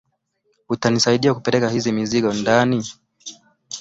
Utanisaidia kupeleka hii mizigo ndani?